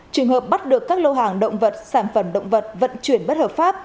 trường hợp bắt được các lô hàng động vật sản phẩm động vật vận chuyển bất hợp pháp